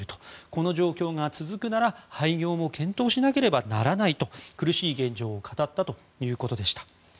この状況が続くなら廃業も検討しなければならないと苦しい現状を語ったということでした。